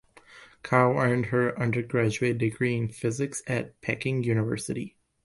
Cao earned her undergraduate degree in physics at Peking University.